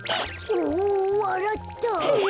おおわらった！